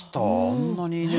あんなにね。